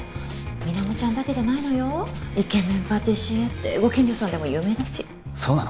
水面ちゃんだけじゃないのよイケメンパティシエってご近所さんでも有名だしそうなの？